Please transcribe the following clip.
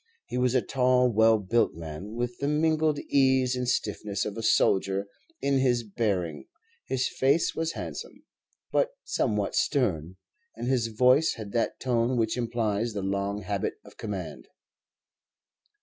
He was a tall, well built man, with the mingled ease and stiffness of a soldier in his bearing; his face was handsome, but somewhat stern, and his voice had that tone which implies the long habit of command.